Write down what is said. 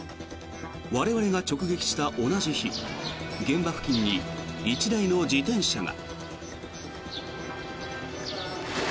我々が直撃した同じ日現場付近に１台の自転車が。